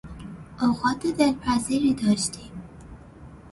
اوقات دلپذیری داشتیم!